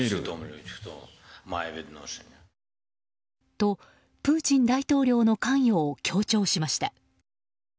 と、プーチン大統領の関与を強調しました。